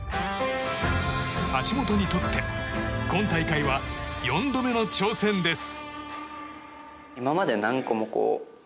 橋本にとって今大会は４度目の挑戦です。